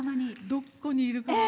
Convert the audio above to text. どこにいるかあ！